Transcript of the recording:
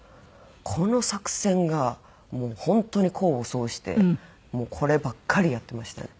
この作戦が本当に功を奏してもうこればっかりやってましたね。